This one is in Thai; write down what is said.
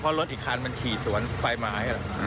เพราะรถอีกคันมันขี่สวนไฟไม้